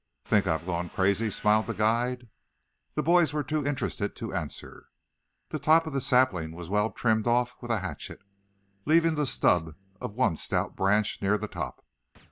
"Think I have gone crazy?" smiled the guide. The boys were too interested to answer. The top of the sapling was well trimmed off with a hatchet, leaving the stub of one stout branch near the top.